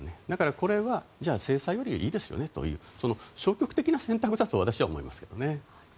だから、これは制裁よりいいですよねという消極的な選択だと私は思いますけどね。